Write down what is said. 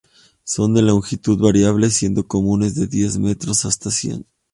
Son de longitud variable siendo comunes de diez metros hasta cien.